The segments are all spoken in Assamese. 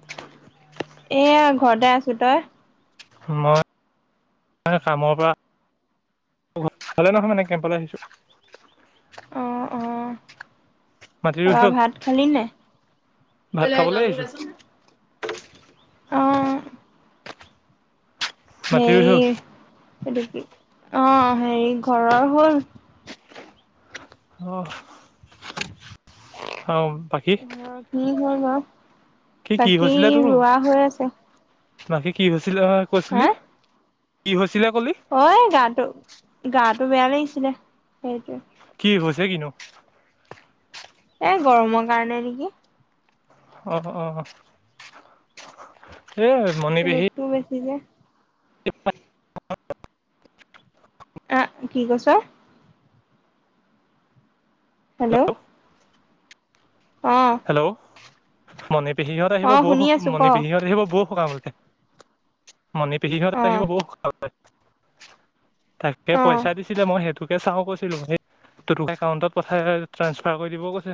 [unintelligible] এয়া ঘৰতে আছো তই? মই কামৰ পৰা - ভালে নহয় মানে কেম্পলৈ আহিছো। অঁ, অঁ। মাটি ৰুই তাৰপা হ'ল ভাত খালি নে? ভাত খাবলৈ আহিছো অঁ। মাটি ৰুই হ'ল হেৰি সেইটো কি, অঁ হেৰি ঘৰৰ হ'ল। অঁ। অঁ বাকী। কি হব, বাকী ৰোৱা হৈ আছে। ৰাতি হৈছিলে কৈছিলি, কি হৈছিলে কলি? অঁ এ গাটো, গাটো বেয়া লাগিছিলে সেইটোৱে। কি হৈছে কিনো? এ গৰমৰ কাৰণে নিকি। অহ অহ অ' সেয়েহে। ৰ'দটোও বেছি যে। [unintelligible] কা কি কৈছ? হেল্লৌ' অঁ' হেল্লৌ' মণি পিহীহত অ আহিব বৌ শুনি আছো মণি ক পিহীহত আহিব বৌ সকামলে। মণি পিহীহত অ আহিব বৌ সকামলে। তাকে অ পইচা দিছিলে মই সেইটোকে চাও কৈছিলো। সেই তোটো একাউন্টত- সে এ ট্ৰাঞ্চফাৰ কৰি দিব কৈছে।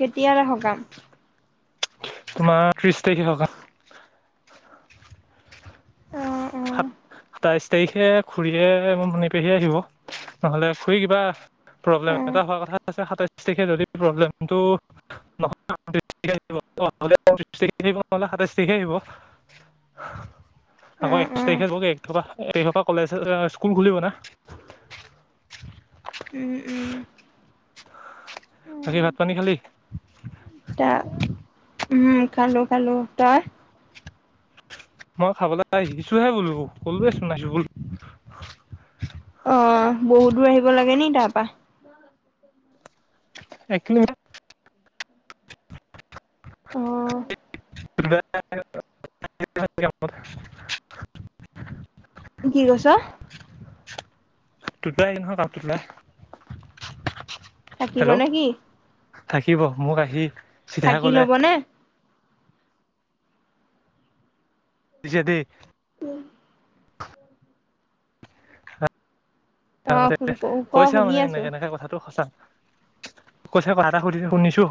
কেতিয়াৰে সকাম। [inaudible] তোমা ত্ৰিশ তাৰিখে সকা- অ অ সাত সাতাইশ তাৰিখে খুৰীয়ে মনি পেহীয়ে আহিব। নহ'লে ফুৰি কিবা অ প্ৰব্লেম এটা হোৱা কথা আছে সাতাইছ তাৰিখে যদি প্ৰব্লেমটো- নহলে তাৰিখ আহিব নালাগে নহলে পচিশ তাৰিখে আহিব নহ'লে সাতাইছ তাৰিখে আহিব। [inaudible] আকৌ এক অ অ তাৰিখে গৈ এক তাৰিখপা এক তাৰিখপা কলেজ স্কুল খুলিব না। উম উম' বাকি ভাত পানী খালি। তা উম খালো খালো, তই। ময় খাবলৈ আহিছোহে বোলো ক'লোৱেছোন নাইখোৱা বোলি। অঁ বহুত দূৰ আহিব লাগে নি তাৰপা। অঁ' এক কিলোমিটা। অঁ' [unintelligible] কি কৈছ? তোতলা ই নহয় কাক টোতলাই থাকিব হেল্ল'। নে কি থাকিব মোক আহি- চিধাই থাকি ক'লে ল'ব নে? সিহঁতি- উম' অ তাৰ আগতে ক কৈছা আও শুনি মানে আছো এনেকে তেনেকে কথাটো সঁচা। কৈছে কথা এটা সুধিছ শুনিছো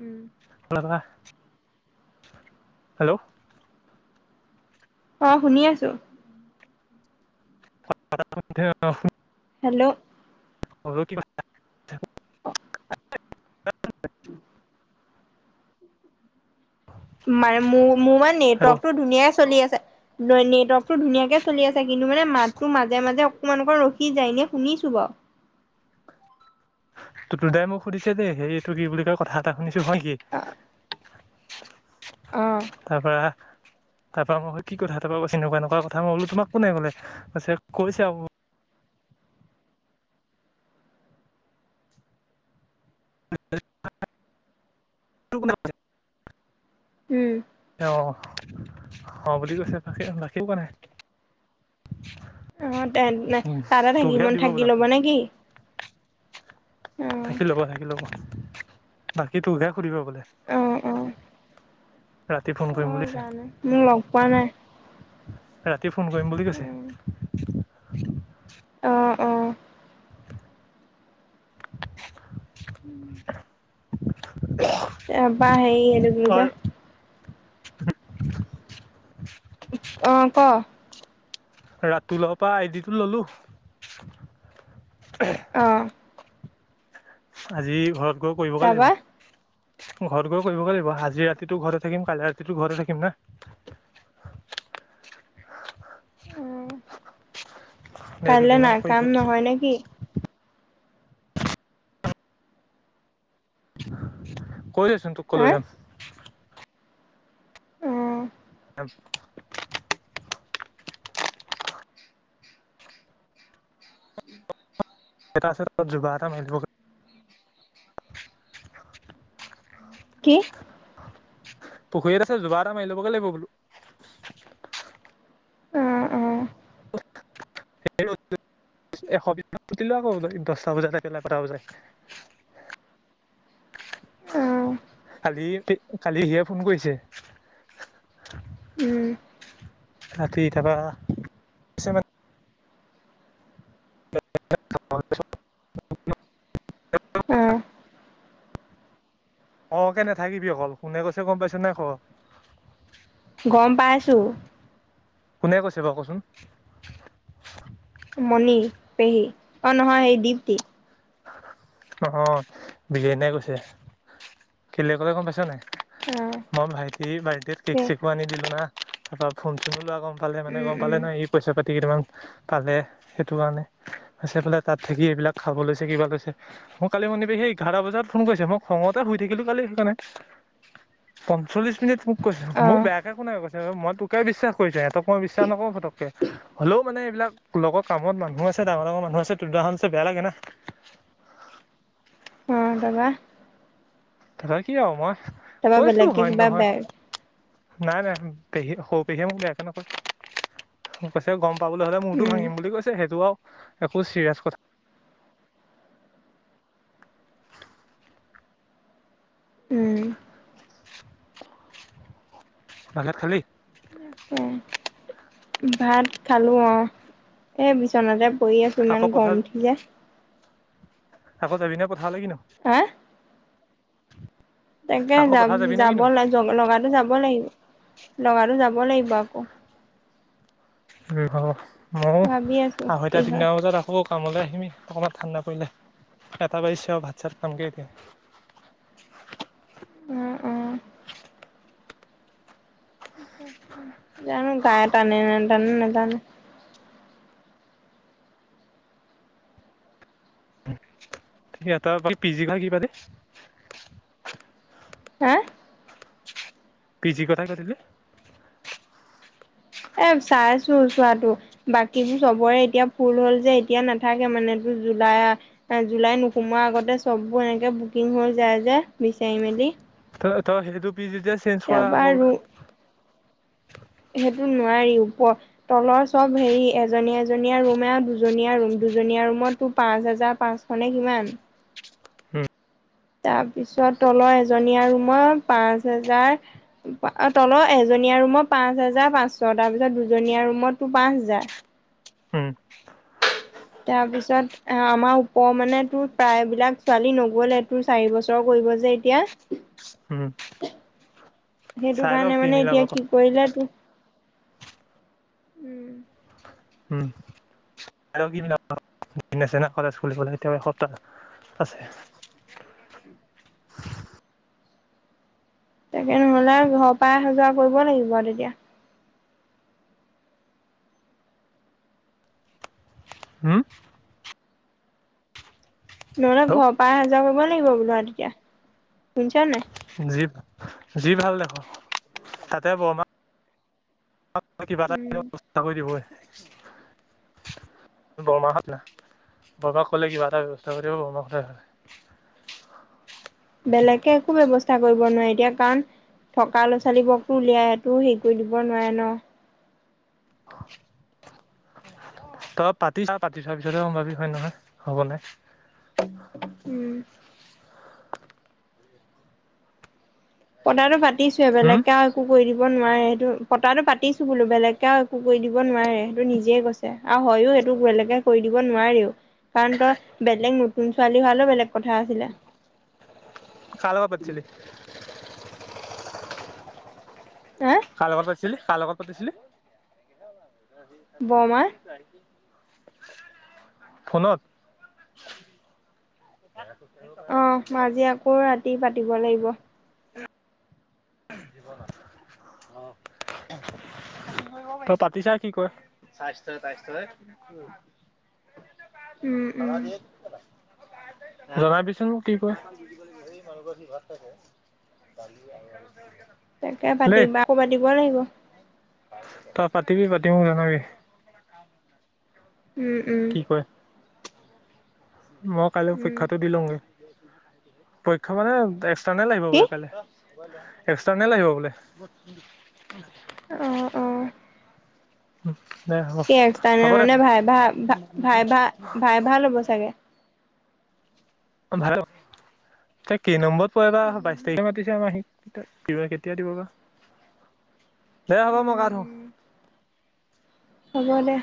উম লাকা। হেল্লৌ' অঁ শুনি আছো। [unintelligible] হেল্লৌ' [unintelligible] অ' [inaudible] মানে মো মোৰ মানে হেল্ল' নেটৱৰ্কতটো ধুনীয়াই চলি আছে। ন নেটৱৰ্কতটো ধুনীয়াকে চলি আছে কিন্তু মানে মাতটো মাজে মাজে অকমান অকমান ৰখি যায় এনেই শুনিছো বাৰু। টুটু দাই মোক সুধিছে যে সেই এইটো কি বুলি কয় কথা এটা শুনিছো হয় কি। অ অ'। তাৰ পৰা তাৰ পৰা মই কি কথা তাৰ পৰা কৈছে এনেকুৱা এনেকুৱা কথা মই বোলো তোমাক কোনে ক'লে কৈছে আৰু। [inaudible] উম। অ', অ', বুলি কৈছে [unintelligible] অ উম, তাতে তোক থাকি হে মন দিব থাকি বোলাক ল'ব সি। নে কি থাকি ল'ব থাকি ল'ব বাকী তোকহে সুধিব বোলে। অ অ অ ৰাতি ফোন অ কৰিম বুলিছে, জানো মোক লগ পোৱা নাই ৰাতি ফোন কৰিম বুলি কৈছে। অ অ [inaudible] উম। [inaudible] এ আব্বা হেৰি এইটো কি অ কয় অ', ক। ৰাতুলৰ পৰা আইডিটো ল'লো। অ'। আজি ঘৰত গৈ কৰিবগে তাৰপা লাগিব। ঘৰত গৈ কৰিবগৈ লাগিব। আজি ৰাতিটো ঘৰতে থাকিম কাইলৈ ৰাতিটো ঘৰতে থাকিম না। অ', এই কাইলৈ দুদিনত নাই কৰি কাম শেষ নহয় নে কি? কৰি আছো তোক হা ক'লৈ যাম। উম। [inaudible] এটা আছে [unintelligible] কি? পুখুৰী এটা আছে জোগাৰ এটা মাৰি ল'বগে লাগিব বোলো। অ', অ'। [inaudible] [unintelligible] দহটা বজাতে [unintelligible] অ কালি ৰাতি কালি হেৰিয়ে ফোন কৰিছে। উম। ৰাতি তাৰপৰা কৈছে মানে [inaudible] অ'। অ', অ', কে নাথাকিবি অকল কোনে কৈছে গম পাইছ নাই ক। গম পাইছো। কোনে কৈছে বাৰু কচোন? মণি পেহী অ' নহয় এই দীপ্তি। অ', বিৰেণ দাই কৈছে কেলে ক'লে গম পাইছ নে নাই? অ মই ভাইটিৰ বাৰ্থডেত কেক কে চেকো আনি দিলো না তাৰপৰা ফোন চোনো লোৱা গম পালে মানে উম গম পাল উম নহয় সি পইচা পাতি কেইটামান পালে সেইটো কাৰণে। কৈছে বোলে তাত থাকি এইবিলাক খাব লৈছ কিবা লৈছে। মোক কালি মণি পেহীয়ে এঘাৰটা বজাত ফোন কৰিছে মই খঙতে শুই থাকিলো কালি সেইকাৰণে। পঞ্চল্লিশ মিনিট মোক কৈছে, অ মইয়ো বেয়া মোকে শুনাই কৈছে মই তোকে বিশ্বাস কৰিছোঁ এহঁতক মই বিশ্বাস নকৰো ফতকে। হ'লেও মানে এইবিলাক লগত কামত মানুহ আছে ডাঙৰ ডাঙৰ মানুহ আছে টুটু মাহঁত আছে বেয়া লাগে না। [inaudible] অহ তাপা? তাপা কি আৰু মই তাৰপা কৈছো বেলেগকে হয়নে কিবা বেগ নহয়। নাই নাই পেহী সৰু পেহীয়ে মোক বেয়াকৈ নকয়। কৈছে গম পাবলৈ হলে মূৰতো উম ভাঙিম বুলি কৈছে সেইটো আৰু একো চিৰিয়েছ কথা উম। ভাত চাট খালি? [unintelligible] ভাত খালো অ, এই বিচনাতে পৰি আছো আকৌ ইমান পথাৰ গৰম উঠি যায়। আকৌ যাবিনে পঠালে কি নো? কাৰ তাকে আকৌ যাম পথাৰ যাবিনে যাব কিনো লগা যাব লাগিব লগাটো যাব লাগিব আকৌ। উম অ ময়ো ভাবি আছো আঢ়ৈটা কি তিনিটা হয় মান বজাত আহো। অ কামলৈ আহিমে অকণমান ঠাণ্ডা পৰিলে এটা বাজিছে আৰু ভাত চাত খামগে এতিয়া। উম উম। জানো গা টানে নেটানে নাজানো। যি আটৰ ক, এই পিজি পা কি পাতে? চাৰ পি জি কথা কাটিলে এ চাইছো চোৱাটো বাকীবোৰ চবৰে এতিয়া ফুল হ'ল যে এতিয়া নাথাকে মানে তোৰ জুলাই জুলাই নোসোমোৱা আগতে চববোৰ এনেকে বুকিং হৈ যায় যে বিচাৰি মেলি ত তই সেইটো পি জি তে চেঞ্জ কৰা তাৰপৰা আকৌ ৰুম সেইটো নোৱাৰি ওপৰত। তলৰ চব হেৰি এজনী এজনীয়া ৰুম এৰা দুজনীয়া ৰুম দুজনীয়া ৰুমতো পাঁচ হাজাৰ পাঁচ মানে কিমান? উম তাৰপিছত তলৰ এজনীয়া ৰোমৰ পাঁচ হেজাৰ পা তলৰ এজনীয়া ৰুমত পাঁচ হাজাৰ পাঁচশ তাৰপিছত দুজনীয়া ৰুমতটো পাঁচ হাজাৰ। উম। তাৰ পিছত আ আমাৰ ওপৰৰ মানে তোৰ প্ৰায়বিলাক ছোৱালী নগ'লে তোৰ চাৰি বছৰৰ কৰিব যে এ তিয়া। উম। সেইটো চাই লওঁ কাৰণে কি মানে মিলাব এতিয়া পাৰ কি কৰিলে তোৰ উম উম। আৰু [inaudible] ন কলেজ খুলিবলৈ এতিয়াও এসপ্তাহ আছে। তাকে নহ'লে ঘৰৰ পা অহা যোৱা কৰিব লাগিব আৰু তেতিয়া। হুম? নহ'লে ঘৰ হেল্ল' পা অহা যোৱা কৰিব লাগিব বোলো আৰু তেতিয়া, শুনিছ নাই? যি যি ভাল দেখা তাতে বৰমা কিবা নহয় কিবা এটা ব্যৱস্থা কৰি দিবই। [inaudible] বৰমাহঁত না বৰমাক ক'লে কিবা এটা ব্যৱস্থা কৰি দিব বৰমাহঁতে। বেলেগকে একো ব্যৱস্থা কৰিব নোৱাৰি এতিয়া কাৰণ থকা ল'ৰা ছোৱালী বোৰকতো উলিয়াই টো হেই কৰি দিব নোৱাৰে ন। [inaudible] তই পাতি চা পাতি চোৱা পিছতহে গম পাবি হয় নহয় হ'ব নে। উম! পতাটো পাতিছোৱে হুম বেলেগকে আৰু একো কৰি দিব নোৱাৰে সেইটো পতাটো পাতিছো বোলো বেলেগ। তেওঁ একো কৰি দিব নোৱাৰে সেইটো নিজে কৈছে আৰু হয়ো সেইটো বেলেগে কৰি দিব নোৱাৰেও। কাৰণ তই বেলেগ নতুন ছোৱালী হোৱা হ'লে বেলেগ কথা আছিলে। কাৰ লগত পাতিছিলি। হা কাৰ লগত পাতিছিলি কাৰ লগত পাতিছিলি। বৰমাৰ। ফোনত। অ মই আজি আকৌ ৰাতি পাতিব লাগিব। [inaudible] তই পাতিছা কি কয় স্বাস্থ্যই স্বাস্থ্যই। উম পাৰ উম দি [inaudible] জনাবিচোন কি কয়। কালি [inaudible] তাকে পাতিবা আকৌ পাতিব লাগিব। তই পাতিবি পাতি মোক জনাবি। উম উম মইয়ো কালিৰ উম পৰীক্ষাটো দি লওঁগে। পৰীক্ষা মানে এক্সটাৰ্নেল আহিব কি বোলে কাইলে। এক্সটাৰ্নেল আহিব বোলে। অ অ উম দে হ'ব। কি হ'ব এক্সটাৰ্নেল দে মানে ভাই ভা ভাই ভা ভাইভা হ'ব চাগে। অ ভাই এ কে নম্বৰত পয় বা বাইশ উম, তাৰিখে মাতিছে আমা হি। হি বা কেতিয়া দিব বা, দে হ'ব মই গা ধো। উম, হ'ব দে।